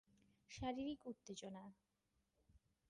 শারীরিক উত্তেজনা।